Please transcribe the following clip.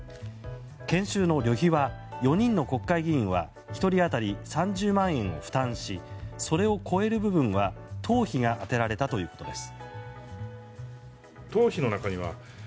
研修の旅費は４人の国会議員は１人当たり３０万円を負担しそれを超える部分は、党費が充てられたということです。